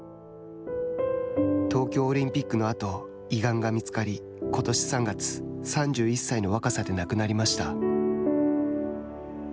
東京オリンピックのあと胃がんが見つかりことし３月３１歳の若さで亡くなりました。